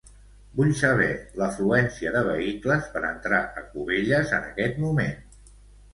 Vull saber l'afluència de vehicles per entrar a Cubelles en aquest moment.